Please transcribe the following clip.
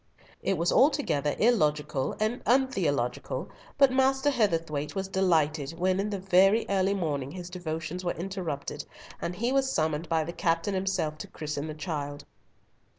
It was altogether illogical and untheological; but Master Heatherthwayte was delighted when in the very early morning his devotions were interrupted, and he was summoned by the captain himself to christen the child.